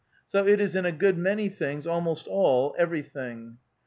So it is in a good many things, almost all, everything.